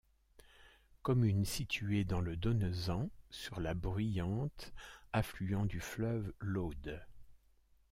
Commune située dans le Donezan sur la Bruyante, affluent du fleuve l'Aude.